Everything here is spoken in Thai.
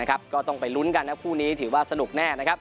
ก็ต้องไปรุ้นกันนะครับคู่นี้ถือว่าสนุกแน่